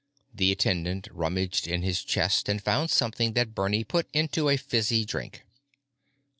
The attendant rummaged in his chest and found something that Bernie put into a fizzy drink.